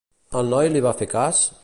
El noi li va fer cas?